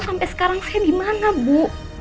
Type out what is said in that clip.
sampai sekarang saya dimana bu